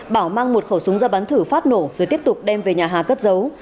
bảo mang một khẩu súng ra bắn thử phát nổ rồi tiếp tục đem về nhà hà cất giấu